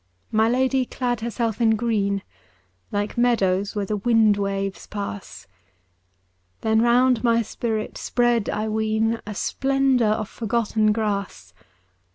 My Lady clad herself in green. Like meadows where the wind waves pass ; Then round my spirit spread, I ween, A splendour of forgotten grass.